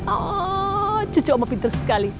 oh cucu oma pinter sekali